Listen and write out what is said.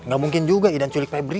gak mungkin juga idan culik febri